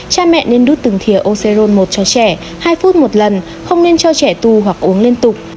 cha mẹ nên đút từng thịa orison một cho trẻ hai phút một lần không nên cho trẻ tu hoặc uống liên tục